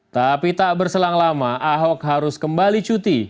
tapi tak berselang lama ahok harus kembali cuti